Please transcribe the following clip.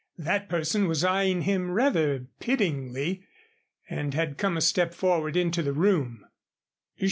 That person was eyeing him rather pityingly and had come a step forward into the room.